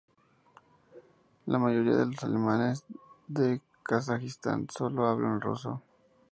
La mayoría de los alemanes de Kazajistán sólo hablan ruso.